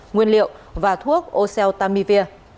nguyên liệu và thuốc ocell tamivir